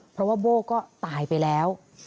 เพราะว่าโบ้ก็ตายไปแล้ว